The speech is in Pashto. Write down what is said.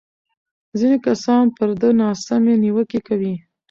ځینې کسان پر ده ناسمې نیوکې کوي.